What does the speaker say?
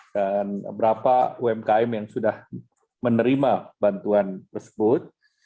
dan berapa umkm yang sudah menerima bantuan tersebut